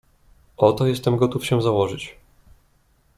"O to jestem gotów się założyć."